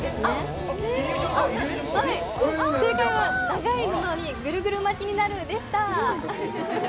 長い布にぐるぐる巻きになるでした。